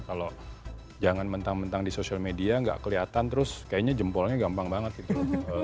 kalau jangan mentang mentang di social media nggak kelihatan terus kayaknya jempolnya gampang banget gitu